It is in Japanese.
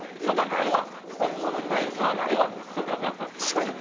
ないわ！